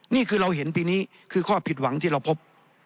นี่คือเราเห็นปีนี้คือข้อผิดหวังที่เราพบ